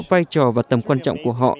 vai trò và tầm quan trọng của họ